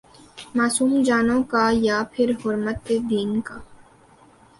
معصوم جانوں کا یا پھرحرمت دین کا؟